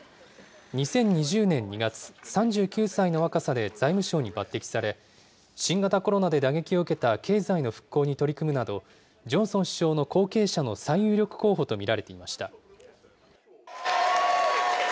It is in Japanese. ２０２０年２月、３９歳の若さで財務相に抜てきされ、新型コロナで打撃を受けた経済の復興に取り組むなど、ジョンソン首相の後継者の最有力候補と見られていました。